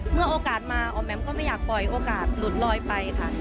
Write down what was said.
เมื่อโอกาสมาออมแมมก็ไม่อยากปล่อยโอกาสหลุดลอยไปค่ะ